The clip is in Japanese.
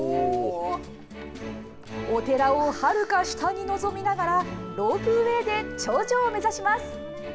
お寺をはるか下に臨みながら、ロープウエーで頂上を目指します。